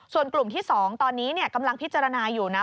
ส่วนกลุ่มที่๒ตอนนี้กำลังพิจารณาอยู่นะ